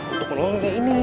untuk melolongin ini